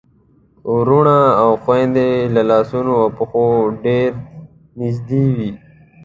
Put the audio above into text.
وروڼه او خويندې له لاسونو او پښو ډېر نږدې وي.